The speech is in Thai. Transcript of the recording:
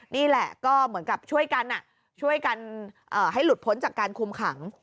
นี่แหละก็เหมือนกับช่วยกันช่วยกันให้หลุดพ้นจากการคุมขัง